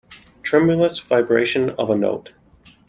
Tremulous vibration of a note.